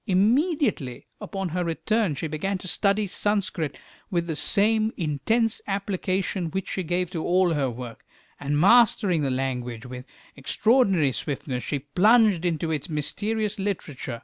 Immediately on her return she began to study Sanskrit with the same intense application which she gave to all her work, and mastering the language with extraordinary swiftness, she plunged into its mysterious literature.